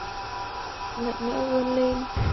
mạnh mẽ vươn lên